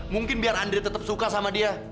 mungkin biar andri tetap suka sama dia